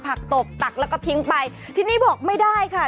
ตบตักแล้วก็ทิ้งไปทีนี้บอกไม่ได้ค่ะ